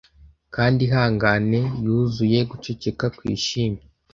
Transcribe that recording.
kandi ihangane yuzuye guceceka kwishimye